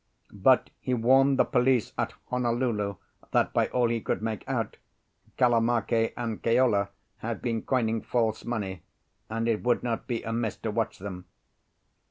But he warned the police at Honolulu that, by all he could make out, Kalamake and Keola had been coining false money, and it would not be amiss to watch them.